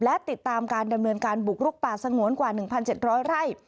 และติดตามการดำเนินการบุกลุกป่าสงวนกว่า๑๗๐๐ไร่